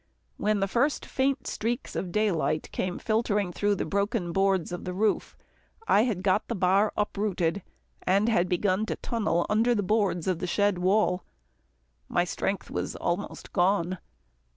When the first faint streaks of daylight came filtering through the broken boards of the roof, I had got the bar uprooted, and had begun to tunnel under the boards of the shed wall. My strength was almost gone.